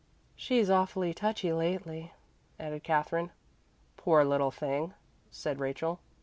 "She's awfully touchy lately," added Katherine. "Poor little thing!" said Rachel.